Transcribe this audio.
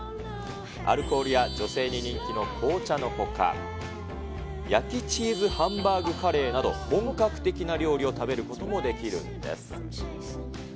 アルコールや女性に人気の紅茶のほか、焼きチーズハンバーグカレーなど、本格的な料理を食べることもできるんです。